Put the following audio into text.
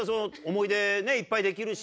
思い出いっぱいできるし。